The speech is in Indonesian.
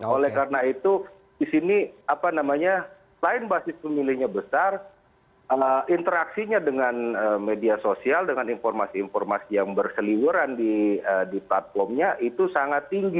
oleh karena itu di sini apa namanya lain basis pemilihnya besar interaksinya dengan media sosial dengan informasi informasi yang berseliwuran di platformnya itu sangat tinggi